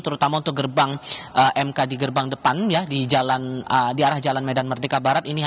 terutama untuk gerbang mk di gerbang depan di arah jalan medan merdeka barat ini